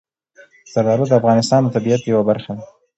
زردالو د افغانستان د طبیعت یوه برخه ده.